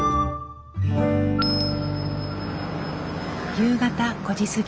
夕方５時過ぎ。